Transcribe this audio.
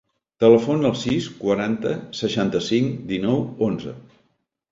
Telefona al sis, quaranta, seixanta-cinc, dinou, onze.